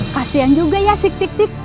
kasian juga ya si titik